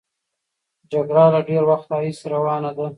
جګړه له ډېر وخت راهیسې روانه ده.